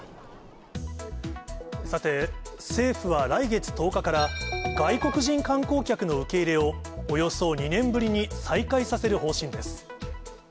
さて、政府は来月１０日から、外国人観光客の受け入れを、およそ２年ぶりに再開させる方針です。